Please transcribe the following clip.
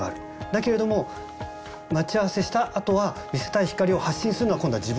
だけれども待ち合わせしたあとは見せたい光を発信するのは今度は自分側になるんです。